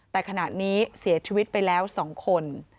แต่ขณะนี้เสียชีวิตไปแล้ว๒คน